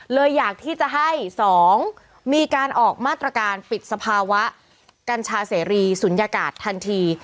อยากที่จะให้๒มีการออกมาตรการปิดสภาวะกัญชาเสรีศูนยากาศทันที